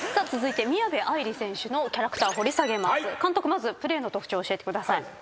まずプレーの特徴教えてください。